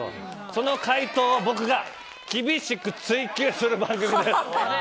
その解答を僕が厳しく追及する番組です。